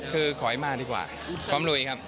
คือขอยมาดีกว่าความหลุยครับ